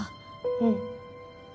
うん。